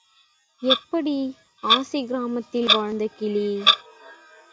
எப்படி—ஆசிரமத்தில் வாழ்ந்த கிளி?